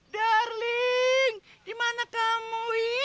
darling dimana kamu iih